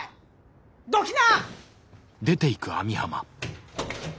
どきな！